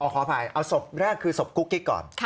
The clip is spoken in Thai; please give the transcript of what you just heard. ขออภัยเอาศพแรกคือศพกุ๊กกิ๊กก่อน